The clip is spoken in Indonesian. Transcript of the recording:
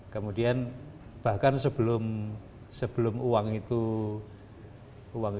kemudian bahkan sebelum uang itu mengucur